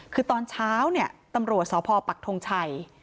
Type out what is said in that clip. คือตอนเช้าเนี่ยตำรวจสพปักทงชัย